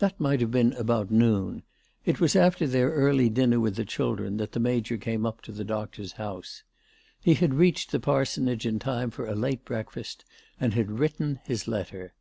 That might have been about noon. It was after their early dinner with the children that the Major came up ALICE DUGDALE. 385 to the doctor's house. He had reached the parsonage in time for a late breakfast, and had then written his letter.